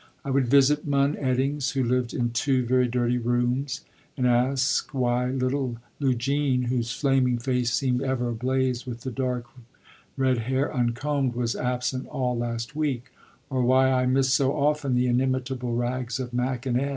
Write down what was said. I would visit Mun Eddings, who lived in two very dirty rooms, and ask why little Lugene, whose flaming face seemed ever ablaze with the dark red hair uncombed, was absent all last week, or why I missed so often the inimitable rags of Mack and Ed.